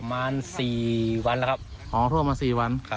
คือสิ่งแบบนี้ต้องบอกว่าเขาเอาชีวิตครอบครัวเขามาแลกเลยนะคะ